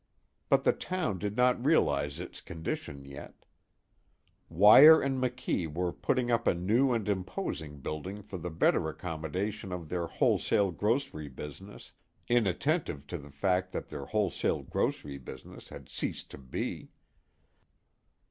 But the town did not realize its condition yet. Weyer & McKee were putting up a new and imposing building for the better accommodation of their wholesale grocery business, inattentive to the fact that their wholesale grocery business had ceased to be.